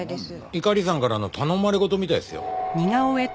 猪狩さんからの頼まれ事みたいですよ。